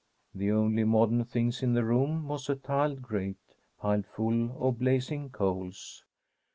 The only modern thing in the room was a tiled grate, piled full of blazing coals.